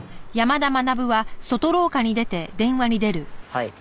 はい。